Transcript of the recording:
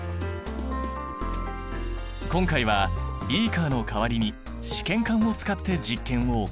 今回はビーカーの代わりに試験管を使って実験を行った。